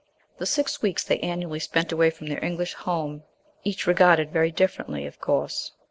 The six weeks they annually spent away from their English home, each regarded very differently, of course.